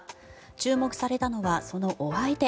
注目されたのはそのお相手。